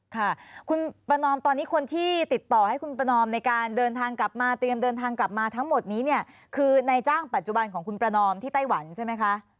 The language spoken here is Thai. ค่ะคุณประนอมตอนนี้คนที่ติดต่อให้คุณประนอมในการเดินทางกลับมาเตรียมเดินทางกลับมาทั้งหมดนี้เนี่ยคือในจ้างปัจจุบันของคุณประนอมที่ไต้หวันใช่ไหมคะ